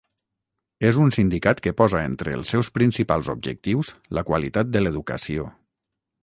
És un sindicat que posa entre els seus principals objectius la qualitat de l'educació.